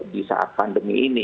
di saat pandemi ini